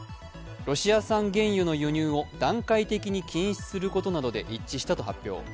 ロシア産原油の輸入を段階的に禁止することで一致したと表明。